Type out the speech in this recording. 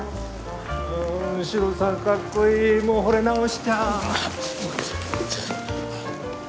あんシロさんかっこいいもう惚れ直しちゃう。